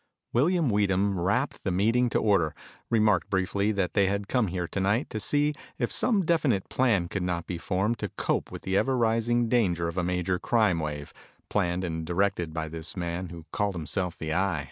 William Weedham rapped the meeting to order, remarked briefly that they had come here tonight to see if some definite plan could not be formed to cope with the ever rising danger of a major crime wave, planned and directed by this man who called himself the Eye.